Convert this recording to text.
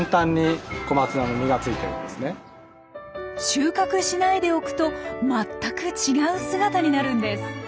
収穫しないでおくと全く違う姿になるんです。